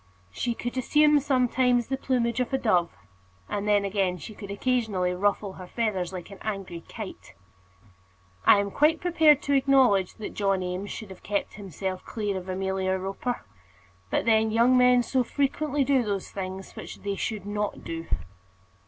She could assume sometimes the plumage of a dove; but then again she could occasionally ruffle her feathers like an angry kite. I am quite prepared to acknowledge that John Eames should have kept himself clear of Amelia Roper; but then young men so frequently do those things which they should not do!